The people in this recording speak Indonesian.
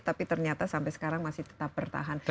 tapi ternyata sampai sekarang masih tetap bertahan